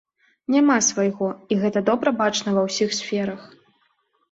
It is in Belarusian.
Няма свайго, і гэта добра бачна ва ўсіх сферах.